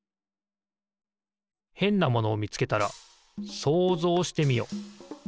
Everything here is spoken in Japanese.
へんなものをみつけたら想像してみよ。